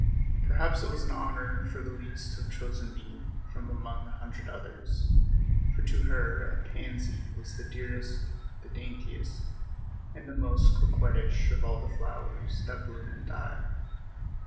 Perhaps it was an honor for Louise to have chosen me from among a hundred others, for to her a pansy was the dearest, the daintiest and most coquettish of all the flowers that bloom and die.